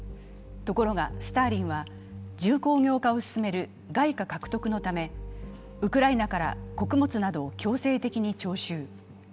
ところが、スターリンは重工業化を進める外貨獲得のためウクライナから穀物などを強制的に徴収。